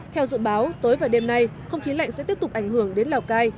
theo dự báo tối và đêm nay không khí lạnh sẽ tiếp tục ảnh hưởng đến lào cai